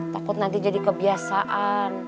takut nanti jadi kebiasaan